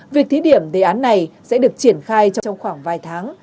việc thí điểm đề án này sẽ được triển khai trong khoảng vài tháng